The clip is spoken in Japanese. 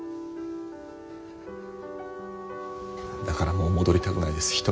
だからもう戻りたくないです